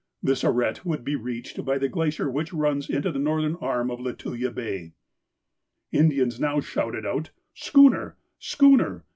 This arête would be reached by the glacier which runs into the northern arm of Lituya Bay. The Indians now shouted out, 'Schooner, schooner!